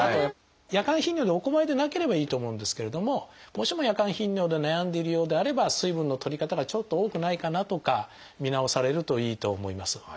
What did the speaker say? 夜間頻尿でお困りでなければいいと思うんですけれどももしも夜間頻尿で悩んでいるようであれば水分のとり方がちょっと多くないかなとか見直されるといいと思います。